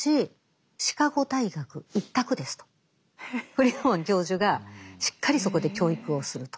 フリードマン教授がしっかりそこで教育をすると。